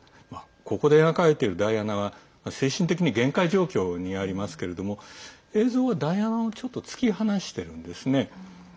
ここで描かれているダイアナは精神的に限界状況にありますけれども映像はダイアナをちょっと突き放してるんですね。